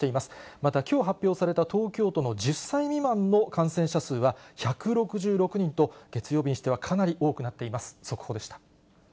またきょう発表された東京都の１０歳未満の感染者数は１６６人と、月曜日にしてはかなり多くなっています。